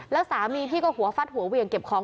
แล้วสามีพี่ก็หัวฟัดหัวเหวี่ยงเก็บของ